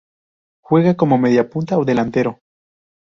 Juega como mediapunta o delantero.